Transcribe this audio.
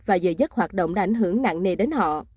và giờ giấc hoạt động đã ảnh hưởng nặng nề đến họ